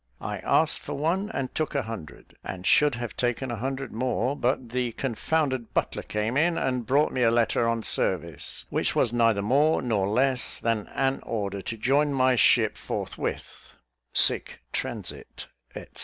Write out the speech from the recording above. I asked for one, and took a hundred, and should have taken a hundred more, but the confounded butler came in, and brought me a letter on service, which was neither more nor less than an order to join my ship forthwith; sic transit, &c.